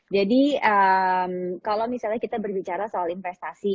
jadi kalau misalnya kita berbicara soal investasi